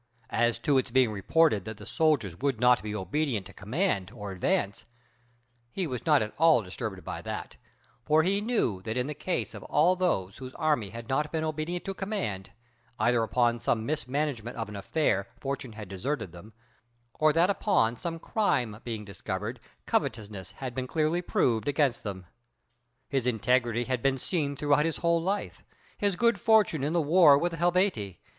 As to its being reported that the soldiers would not be obedient to command, or advance, he was not at all disturbed at that; for he knew that in the case of all those whose army had not been obedient to command, either upon some mismanagement of an affair fortune had deserted them, or that upon some crime being discovered covetousness had been clearly proved against them. His integrity had been seen throughout his whole life, his good fortune in the war with the Helvetii.